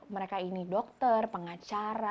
mereka ini dokter pengacara